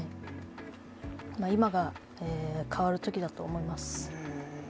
今が変わるときだと思います。